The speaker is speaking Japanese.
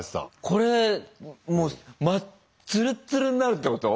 これもうつるっつるっになるってこと？